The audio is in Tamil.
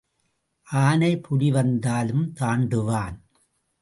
ஆனை புலி வந்தாலும் தாண்டுவான்.